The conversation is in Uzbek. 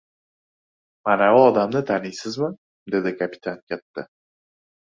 — Manavi odamni taniysizmi?! — dedi kapitan katta.